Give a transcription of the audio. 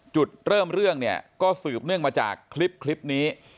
จุดเริ่มเรื่องเนี่ยก็สืบเนื่องมาจากคลิปนี้